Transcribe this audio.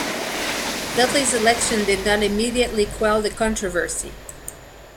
Dudley's election did not immediately quell the controversy.